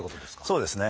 そうですね。